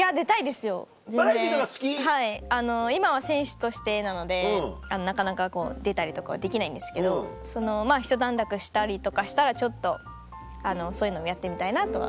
はい今は選手としてなのでなかなか出たりとかはできないんですけどまぁひと段落したりとかしたらちょっとそういうのもやってみたいなとは。